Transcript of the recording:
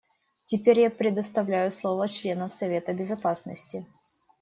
Теперь я предоставляю слово членам Совета Безопасности.